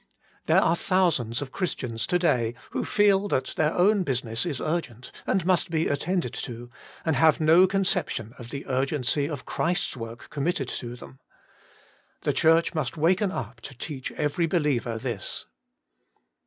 There are thousands of Christians to day who feel that their own business is urgent, and must be attended to, and have no con ception of the urgency of Christ's work committed to them. The Church must waken up to teach each believer this.